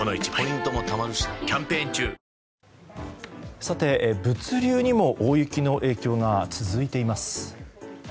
さて、物流にも大雪の影響が続いています。